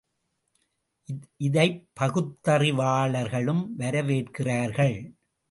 இதைப் பகுத்தறிவாளர்களும் வரவேற்கிறார்கள்.